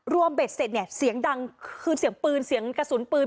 เบ็ดเสร็จเนี่ยเสียงดังคือเสียงปืนเสียงกระสุนปืน